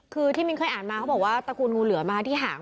คือที่มิ้นเคยอ่านมาเขาบอกว่าตระกูลงูเหลือมาที่หาง